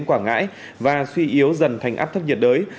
quảng ngãi và suy yếu dần thành áp thấp nhiệt đới